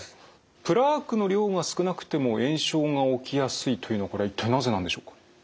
プラークの量が少なくても炎症が起きやすいというのはこれは一体なぜなんでしょうか？